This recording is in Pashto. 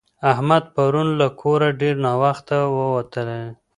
احمد پرون له کوره ډېر ناوخته ووتلی.